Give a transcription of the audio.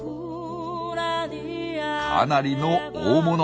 かなりの大物。